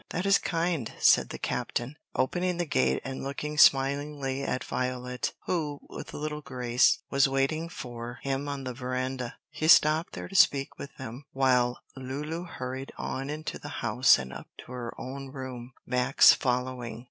"That is kind," said the captain, opening the gate and looking smilingly at Violet, who, with little Grace, was waiting for him on the veranda. He stopped there to speak with them, while Lulu hurried on into the house and up to her own room, Max following.